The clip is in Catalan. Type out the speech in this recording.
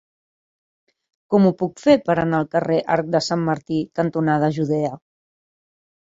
Com ho puc fer per anar al carrer Arc de Sant Martí cantonada Judea?